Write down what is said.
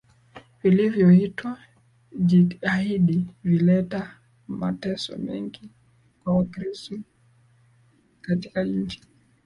vilivyoitwa jihadi vilileta mateso mengi kwa Wakristo katika nchi